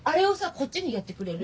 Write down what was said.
こっちにやってくれる？